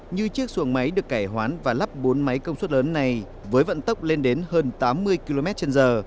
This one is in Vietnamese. như chiếc xuồng máy được cải hoán và lắp bốn máy công suất lớn này với vận tốc lên đến hơn tám mươi km trên giờ